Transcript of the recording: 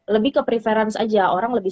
lebih ke preference aja orang lebih